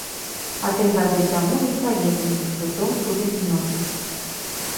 А тры гады таму ім паведамілі, што дом будуць зносіць.